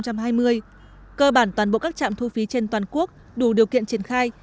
cơ bản toàn bộ các trạm thu phí trên toàn quốc đủ điều kiện triển khai